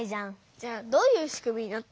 じゃあどういうしくみになってんの？